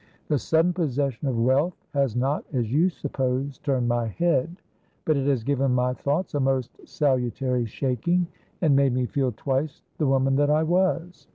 'The sudden possession of wealth' has not, as you suppose, turned my head, but it has given my thoughts a most salutary shaking, and made me feel twice the woman that I was.